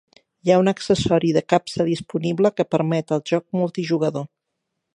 Hi ha un accessori de capsa disponible que permet el joc multi-jugador.